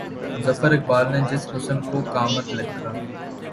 ظفر اقبال نے جس حُسن کو قامت لکھا